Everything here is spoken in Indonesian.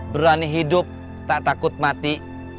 berani hidup tak takut mati